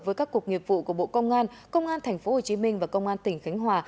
với các cuộc nghiệp vụ của bộ công an công an tp hcm và công an tỉnh khánh hòa